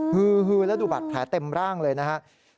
ฮือแล้วดูบัตรแผลเต็มร่างเลยนะครับ